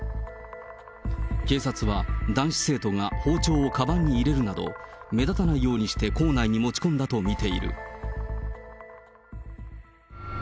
警察は男子生徒が包丁をかばんに入れるなど、目立たないようにして校内に持ち込んだと見ている。